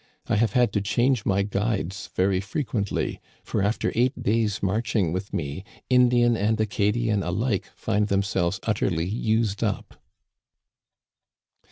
I have had to change my guides very frequent ly, for after eight days* marching with me, Indian and Acadian alike find themselves utterly used up."